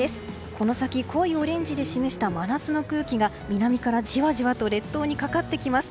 この先、濃いオレンジで示した真夏の空気が南からじわじわと列島にかかってきます。